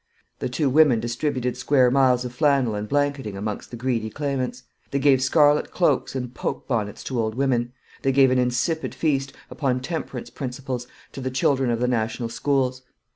The two women distributed square miles of flannel and blanketing amongst greedy claimants; they gave scarlet cloaks and poke bonnets to old women; they gave an insipid feast, upon temperance principles, to the children of the National Schools.